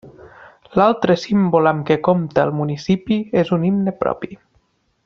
L'altre símbol amb què compta el municipi és un himne propi.